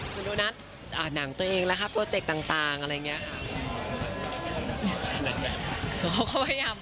คุณโดนัทอ่านหนังตัวเองละค่ะโปรเจกต่างอะไรเงี้ย